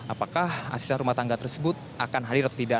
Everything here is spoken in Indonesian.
apakah asisten rumah tangga tersebut akan hadir atau tidak